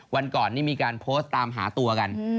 วันก่อนนี่มีการโพสต์ตามหาตัวกัน